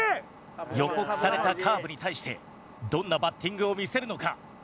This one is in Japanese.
予告されたカーブに対してどんなバッティングを見せるのか？